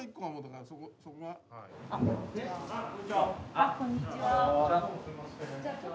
あっこんにちは。